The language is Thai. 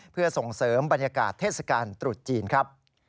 เพื่อส่งเสริมบรรยากาศเทศกาลตรุษจีนครับ